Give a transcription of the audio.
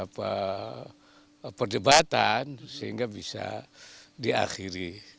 perdebatan sehingga bisa diakhiri